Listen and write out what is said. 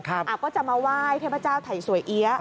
ก็จะมาไหว้เทพเจ้าไถ่สวยเอี๊ยะ